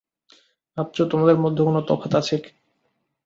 ভাবছো তোমাদের মধ্যে কোনো তফাৎ আছে?